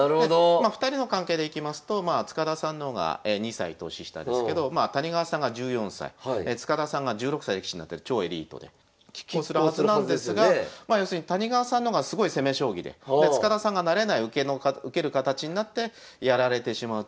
２人の関係でいきますと塚田さんの方が２歳年下ですけど谷川さんが１４歳塚田さんが１６歳で棋士になってる超エリートで拮抗するはずなんですがまあ要するに谷川さんの方がすごい攻め将棋でで塚田さんが慣れない受ける形になってやられてしまうってケースが多くて。